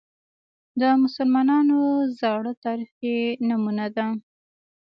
د مسلمانانو زاړه تاریخ کې نمونه ده